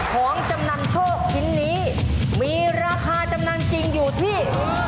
ของจำนำโชคชิ้นนี้มีราคาจำนำจริงอยู่ที่